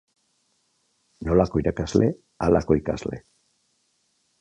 Nolako irakasle, halako ikasle.